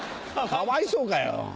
かわいそうかよ。